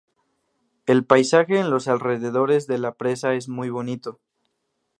El paisaje en los alrededores de la presa es muy bonito.